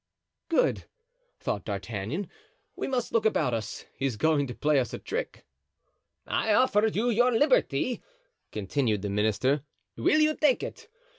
"Good," thought D'Artagnan; "we must look about us; he's going to play us a trick." "I offered you your liberty," continued the minister; "will you take it?